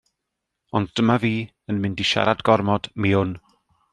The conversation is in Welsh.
Ond dyma fi yn mynd i siarad gormod, mi wn.